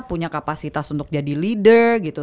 punya kapasitas untuk jadi leader gitu